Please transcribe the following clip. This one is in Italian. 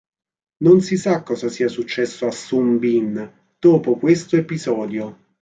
Non si sa cosa sia successo a Sun Bin dopo questo episodio.